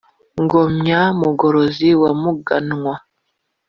ngom ya mugorozi wa muganwa,